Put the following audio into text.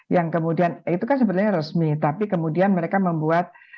yang kemudian itu kan sebenarnya resmi tapi kemudian mereka membuat